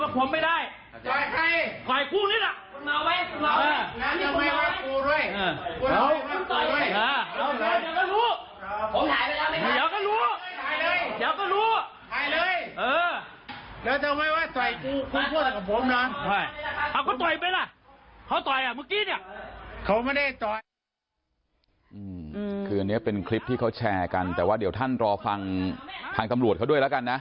คืออันนี้เป็นคลิปที่เขาแชร์กันแต่ว่าเดี๋ยวท่านรอฟังทางตำรวจเขาด้วยแล้วกันนะ